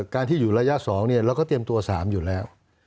การที่อยู่ระยะ๒เราก็เตรียมตัว๓อยู่แล้ว